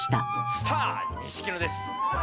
スター錦野です！